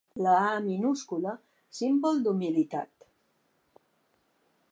La ‘à’, minúscula, símbol d’humilitat.